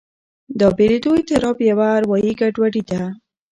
دا بېلېدو اضطراب یوه اروایي ګډوډي ده.